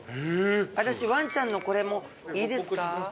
私ワンちゃんのこれもいいですか？